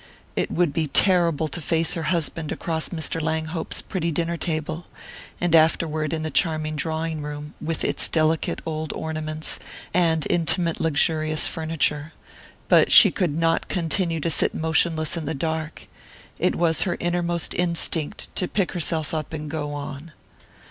It would be terrible to face her husband across Mr. Langhope's pretty dinner table, and afterward in the charming drawing room, with its delicate old ornaments and intimate luxurious furniture; but she could not continue to sit motionless in the dark: it was her innermost instinct to pick herself up and go on.